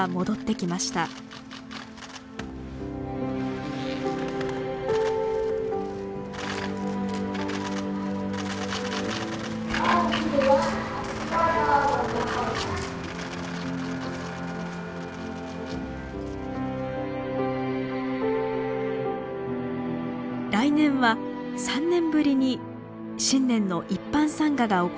来年は３年ぶりに新年の一般参賀が行われます。